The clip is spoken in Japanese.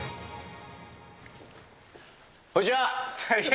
こんにちは。